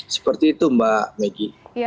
seperti itu mbak maggie